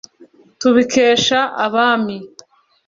tubikesha abami